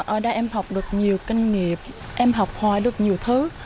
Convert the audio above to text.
ở đây em học được nhiều kinh nghiệm em học hỏi được nhiều thứ